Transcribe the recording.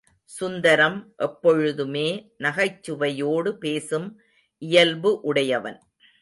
சுந்தரம் எப்பொழுதுமே நகைச்சுவையோடு பேசும் இயல்பு உடையவன்.